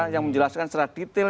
yang menjelaskan secara detail